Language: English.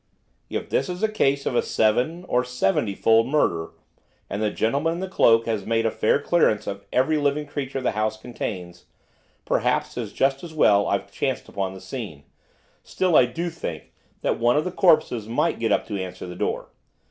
'If this is a case of a seven or seventy fold murder, and the gentleman in the cloak has made a fair clearance of every living creature the house contains, perhaps it's just as well I've chanced upon the scene, still I do think that one of the corpses might get up to answer the door.